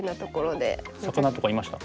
魚とかいました？